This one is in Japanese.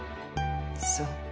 そう。